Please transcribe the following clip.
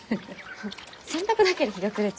洗濯だけで日が暮れちゃう。